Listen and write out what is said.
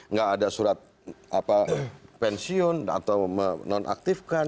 nggak ada surat pensiun atau menonaktifkan